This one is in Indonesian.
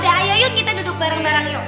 udah ayo yuk kita duduk bareng bareng yuk